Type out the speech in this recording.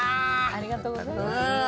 ありがとうございます。